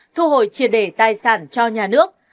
thu hồi triệt để tài sản cho nhà nước